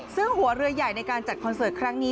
ซึ่งหัวเรือใหญ่ในการจัดคอนเสิร์ตครั้งนี้